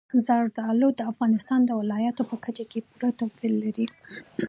زردالو د افغانستان د ولایاتو په کچه پوره توپیر لري.